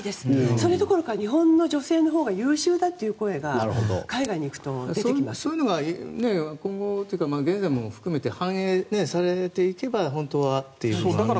それどころか日本の女性のほうが優秀だという声がそういうのが今後とか現在も含めて反映されていけば本当はというところですけど。